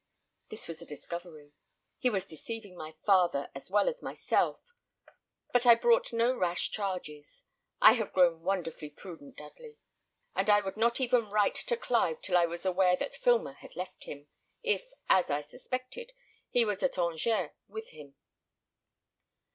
This was a discovery. He was deceiving my father, as well as myself; but I brought no rash charges; I have grown wonderfully prudent, Dudley; and I would not even write to Clive till I was aware that Filmer had left him, if, as I suspected, he was at Angers with him.